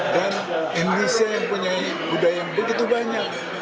dan indonesia yang punya budaya yang begitu banyak